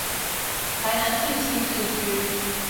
台南市新市區